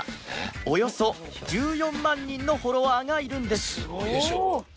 およそ１４万人のフォロワーがいるんです